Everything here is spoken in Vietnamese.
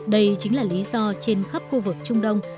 đây chính là lý do trên khắp khu vực trung đông